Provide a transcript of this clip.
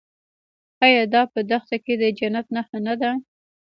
آیا دا په دښته کې د جنت نښه نه ده؟